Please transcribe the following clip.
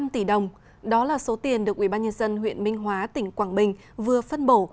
một mươi tỷ đồng đó là số tiền được ubnd huyện minh hóa tỉnh quảng bình vừa phân bổ